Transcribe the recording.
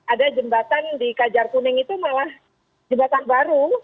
ada jembatan di kajar kuning itu malah jembatan baru